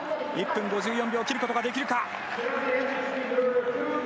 １分５４秒切ることができるか。